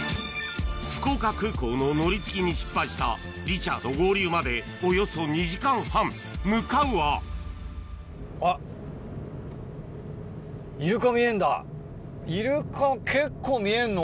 福岡空港の乗り継ぎに失敗したリチャード合流までおよそ２時間半向かうはイルカ結構見えんの？